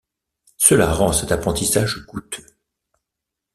Cela rend cet apprentissage coûteux.